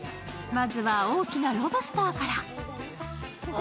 まずは大きなロブスターから。